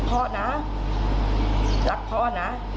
ก็บอกพ่อออก